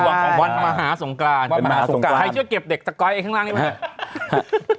เป็นวันมหาสงกรานใครเชื่อเก็บเด็กตะก้อยไอ้ข้างล่างนี่ไหม